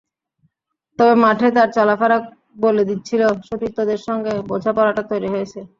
তবে মাঠে তাঁর চলাফেরা বলে দিচ্ছিল, সতীর্থদের সঙ্গে বোঝাপড়াটা তৈরি হয়েছে।